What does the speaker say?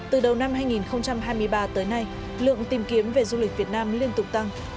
từ đầu năm hai nghìn hai mươi ba tới nay lượng tìm kiếm về du lịch việt nam liên tục tăng